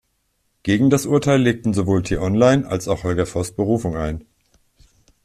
Gegen das Urteil legten sowohl T-Online als auch Holger Voss Berufung ein.